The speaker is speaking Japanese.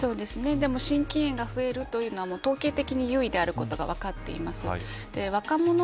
でも心筋炎が増えるというのは統計的に優位であることがわかっています。